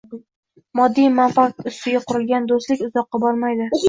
Moddiy manfaat ustiga qurilgan “do‘stlik” uzoqqa bormaydi.